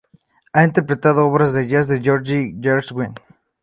Ha interpretado obras de jazz de George Gershwin.